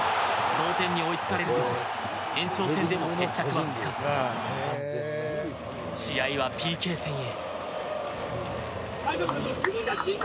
同点に追いつかれると延長戦でも決着はつかず試合はＰＫ戦へ。